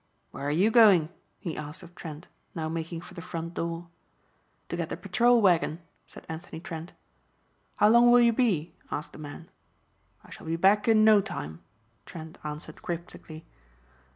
"Where are you going?" he asked of Trent, now making for the front door. "To get the patrol wagon," said Anthony Trent. "How long will you be?" asked the man. "I shall be back in no time," Trent answered cryptically.